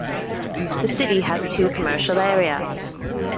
The city has two commercial areas.